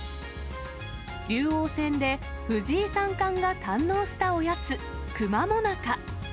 竜王戦で、藤井三冠が堪能したおやつ、くま最中。